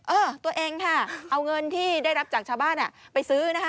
เออตัวเองค่ะเอาเงินที่ได้รับจากชาวบ้านไปซื้อนะคะ